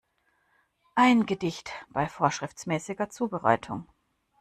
Ein Gedicht bei vorschriftsmäßiger Zubereitung.